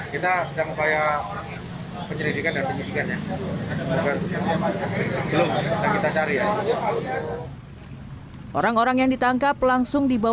kita ada dua orang yang nanggap yang parah parah